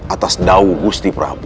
atas daugusti prabu